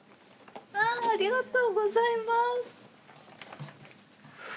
わぁありがとうございます！